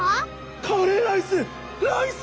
カレーライスライス！